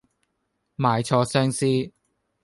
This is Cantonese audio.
賣錯相思